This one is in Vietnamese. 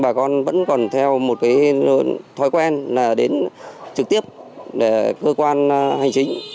bà con vẫn còn theo một cái thói quen là đến trực tiếp để cơ quan hành chính